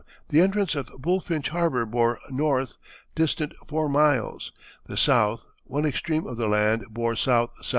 the entrance of Bulfinch harbour bore N., distant 4 miles, the S. one extreme of the land, bore SSE.